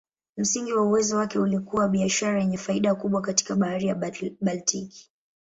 Msingi wa uwezo wake ulikuwa biashara yenye faida kubwa katika Bahari ya Baltiki.